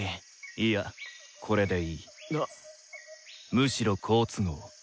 むしろ好都合。